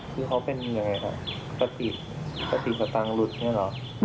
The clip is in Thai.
คือเขาเป็นอย่างไรครับปฏิสตรัสตังค์หลุดอย่างนั้นหรอ